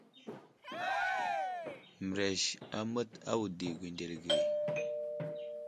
Mərez amət a wudo i gwendele age.